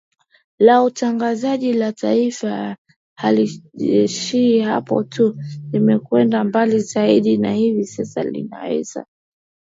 la Utangazaji la Taifa halijaishia hapo tu limekwenda mbali zaidi na hivi sasa linaweza